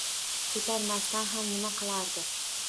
Ko'tarmasdan nima ham qilardi?!